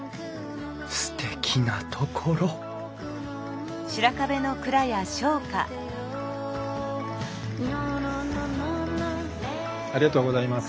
すてきな所ありがとうございます。